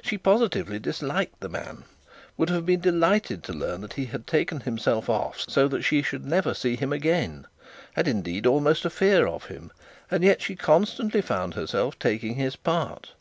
She positively disliked the man, would have been delighted to learn that he had taken himself off so that she should never see him again, had indeed almost a fear of him, and yet she constantly found herself taking his part.